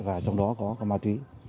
và trong đó có ma túy